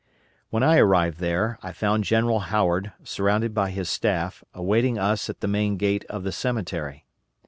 When I arrived there I found General Howard, surrounded by his staff, awaiting us at the main gate of the cemetery.